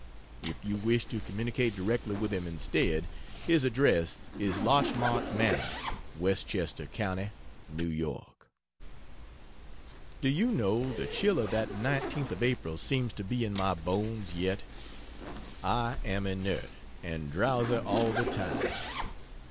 If you wish to communicate directly with him instead, his address is "Larchmont Manor, Westchester Co., N. Y." Do you know, the chill of that 19th of April seems to be in my bones yet? I am inert and drowsy all the time.